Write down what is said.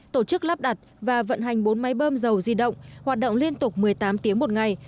tổ chức lắp đặt và vận hành bốn máy bơm dầu di động hoạt động liên tục một mươi tám tiếng một ngày